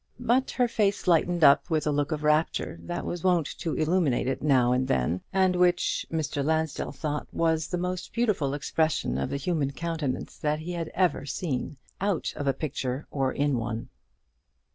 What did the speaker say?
But her face lighted up with a look of rapture that was wont to illuminate it now and then, and which, Mr. Lansdell thought was the most beautiful expression of the human countenance that he had ever seen, out of a picture or in one.